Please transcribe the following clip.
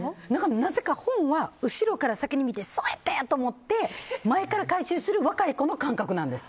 なぜか本は後ろから先に見てそうやったんやと思って前から回収する若い子の感覚なんです。